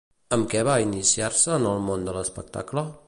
Amb què va iniciar-se en el món de l'espectacle?